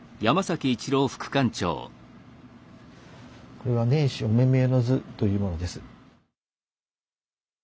これは「年始御目見之図」というものです。